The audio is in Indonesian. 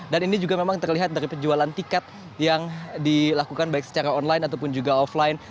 dan ini juga memang terlihat dari penjualan tiket yang dilakukan baik secara online ataupun juga offline